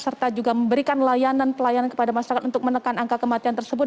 serta juga memberikan layanan pelayanan kepada masyarakat untuk menekan angka kematian tersebut